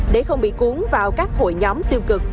để không bị cuốn vào các hội nhóm tiêu cực